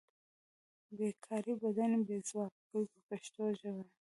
بې کاري بدن بې ځواکه کوي په پښتو ژبه.